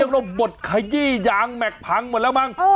ยังลบบทขยี่ยางแมกพังหมดแล้วมั้ง